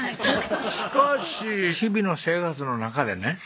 しかし日々の生活の中でね